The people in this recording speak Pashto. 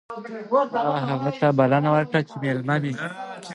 ما هغه ته بلنه ورکړه چې مېلمه مې شي